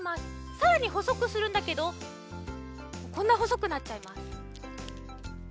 さらにほそくするんだけどこんなほそくなっちゃいます。